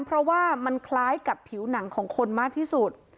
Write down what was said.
เพราะว่ามันคล้ายกับผิวหนังของคนมากที่สุด